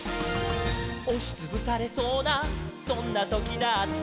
「おしつぶされそうなそんなときだって」